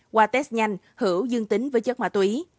qua test nhanh hữu dương tính với chất ma túy